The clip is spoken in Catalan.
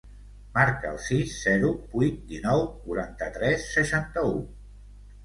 Marca el sis, zero, vuit, dinou, quaranta-tres, seixanta-u.